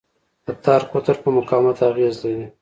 د تار قطر په مقاومت اغېز لري.